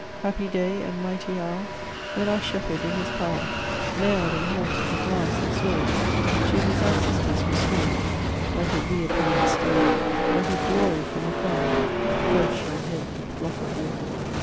Happy day, and mighty hour, When our Shepherd, in his power, Mailed and horsed, with lance and sword, To his ancestors restored, Like a re appearing Star, Like a glory from afar, First shall head the flock of war!"